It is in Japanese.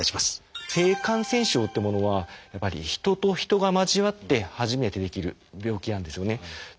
性感染症っていうものはやっぱり人と人が交わって初めて出来る病気なんですよね。